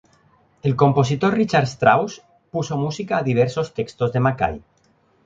El compositor Richard Strauss puso música a diversos textos de Mackay.